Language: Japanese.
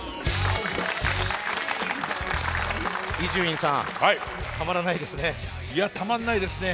伊集院さんたまらないですね。